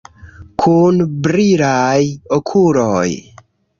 Kun brilaj okuloj!